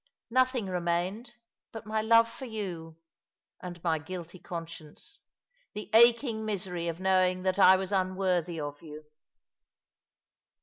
Nothing remained but my love for you — and my guilty conscience, the aching misery of knowing that I was unworthy of you."